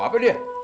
mau apa dia